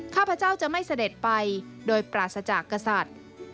ข้าพเจ้าจะไม่เสด็จไปโดยปราศจากกษัตริย์